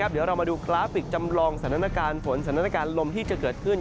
เดี๋ยวเรามาดูกราฟิกจำลองสถานการณ์ฝนสถานการณ์ลมที่จะเกิดขึ้น